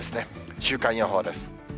週間予報です。